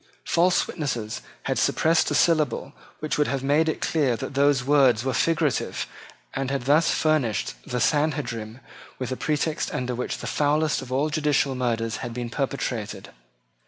False witnesses had suppressed a syllable which would have made it clear that those words were figurative, and had thus furnished the Sanhedrim with a pretext under which the foulest of all judicial murders had been perpetrated.